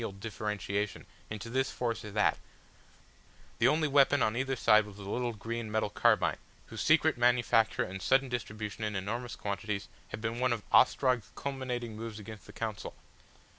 They had no artillery, no differentiation into this force or that; the only weapon on either side was the little green metal carbine, whose secret manufacture and sudden distribution in enormous quantities had been one of Ostrog's culminating moves against the Council.